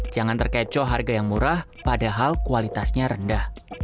jangan terkecoh harga yang murah padahal kualitasnya rendah